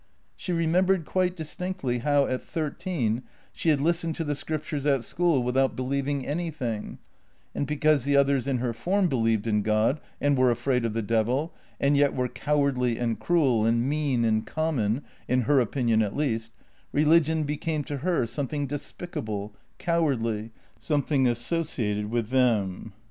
She remembered quite distinctly how, at thirteen, she had listened to the Scriptures at school without believing anything, and because the others in her form believed in God and were afraid of the devil, and yet were cowardly and cruel, and mean and common — in her opinion at least — religion became to her something despicable, cowardly, something as sociated with them.